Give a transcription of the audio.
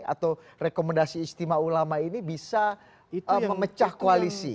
atau rekomendasi istimewa ulama ini bisa memecah koalisi